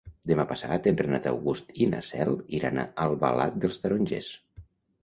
Demà passat en Renat August i na Cel iran a Albalat dels Tarongers.